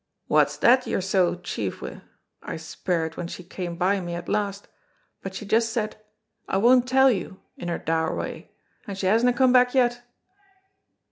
'Wha's that you're so chief wi'?' I speired when she came by me at last, but she just said, 'I won't tell you,' in her dour wy, and she hasna come back yet."